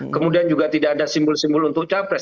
kemudian juga tidak ada simbol simbol untuk capres